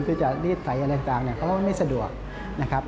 เพื่อจะรีดไถอะไรต่างเขาก็ไม่สะดวกนะครับ